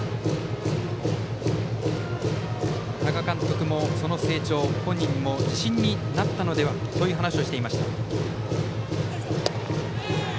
多賀監督も、その成長について本人も自信になったのではそういう話をしていました。